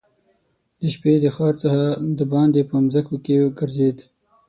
د شپې د ښار څخه دباندي په مځکو کې ګرځېد.